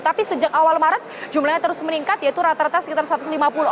tapi sejak awal maret jumlahnya terus meningkat yaitu rata rata sekitar satu ratus lima puluh orang